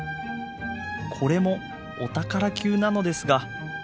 これもお宝級なのですが。